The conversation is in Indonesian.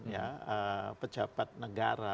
ya pejabat negara